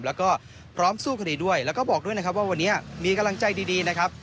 แล้วก็พร้อมสู้คดีด้วยแล้วก็บอกด้วยนะครับว่าวันนี้มีกำลังใจดีนะครับ